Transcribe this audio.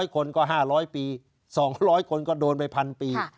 ๐คนก็๕๐๐ปี๒๐๐คนก็โดนไป๑๐๐ปี